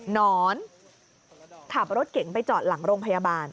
นอนขับรถเก๋งไปจอดหลังโรงพยาบาล